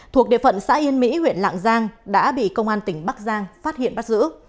thuộc địa phận xã yên mỹ huyện lạng giang đã bị công an tỉnh bắc giang phát hiện bắt giữ